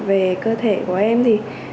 về cơ thể của em thì